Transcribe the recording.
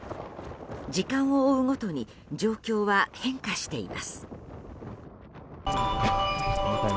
時間を追うごとに状況は変化しています。